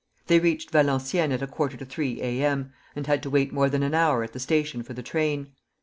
They reached Valenciennes at a quarter to three A. M., and had to wait more than an hour at the station for the train.